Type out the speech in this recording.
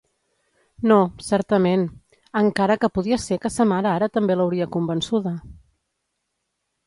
No, certament... encara que podia ser que sa mare ara també l'hauria convençuda!